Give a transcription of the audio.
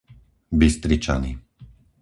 Bystričany